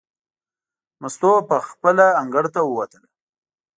مستو پخپله انګړ ته ووتله.